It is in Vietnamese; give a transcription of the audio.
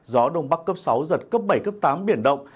gió đông bắc cấp sáu giật cấp bảy cấp tám biển động